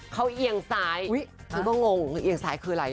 เขาเอียงซ้ายฉันก็งงเอียงซ้ายคืออะไร